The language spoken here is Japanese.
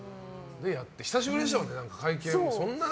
久しぶりでしたもんね、会見。